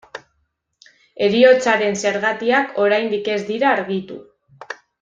Heriotzaren zergatiak oraindik ez dira argitu.